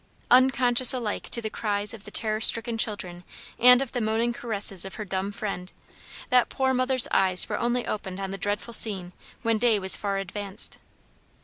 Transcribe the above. Unconscious alike to the cries of the terror stricken children and of the moaning caresses of her dumb friend, that poor mother's eyes were only opened on the dreadful scene when day was far advanced.